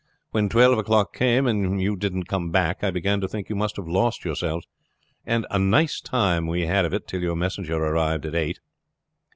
"When twelve o'clock came and you didn't come back I began to think you must have lost yourselves; and a nice time we had of it till your messenger arrived at eight.